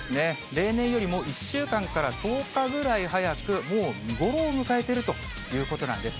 例年よりも１週間から１０日ぐらい早く、もう見頃を迎えてるということなんです。